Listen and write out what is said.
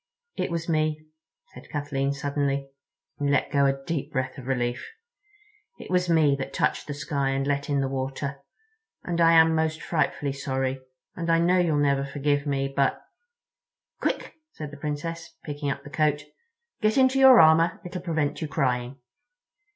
"It was me," said Kathleen suddenly, and let go a deep breath of relief. "It was me that touched the sky and let in the water; and I am most frightfully sorry, and I know you'll never forgive me. But—" "Quick," said the Princess, picking up the coat, "get into your armor; it'll prevent your crying."